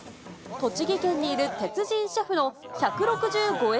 栃木県にいる鉄人シェフの１６５円